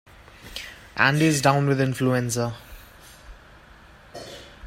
Andy is down with influenza.